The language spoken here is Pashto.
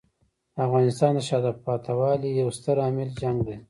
د افغانستان د شاته پاتې والي یو ستر عامل جنګ دی.